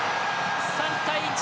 ３対１。